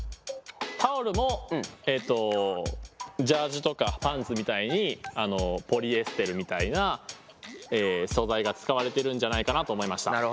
タオルもジャージとかパンツみたいにポリエステルみたいな素材が使われてるんじゃないかなと思いました。